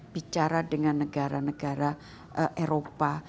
bicara dengan negara negara eropa